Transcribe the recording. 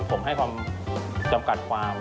ผมให้ความจำกัดความ